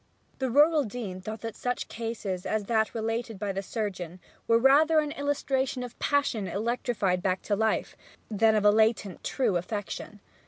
The rural dean thought that such cases as that related by the surgeon were rather an illustration of passion electrified back to life than of a latent, true affection.